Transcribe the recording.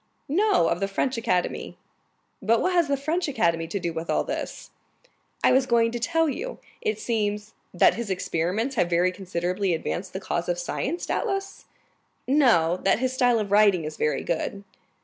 "No; of the French Academy." "But what has the French Academy to do with all this?" "I was going to tell you. It seems——" "That his experiments have very considerably advanced the cause of science, doubtless?" "No; that his style of writing is very good."